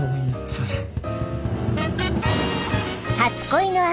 すいません。